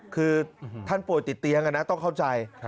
คือท่านป่วยติดเตียงต้องเข้าใจ